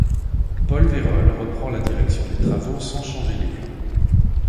Paul Vérolle reprend la direction des travaux sans changer les plans.